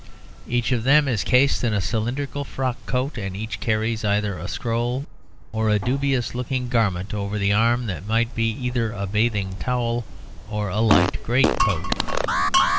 Each of them is cased in a cylindrical frock coat, and each carries either a scroll or a dubious looking garment over the arm that might be either a bathing towel or a light great coat.